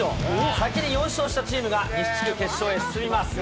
先に４勝したチームが、西地区決勝へ進みます。